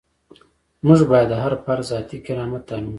موږ باید د هر فرد ذاتي کرامت تامین کړو.